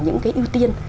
những cái ưu tiên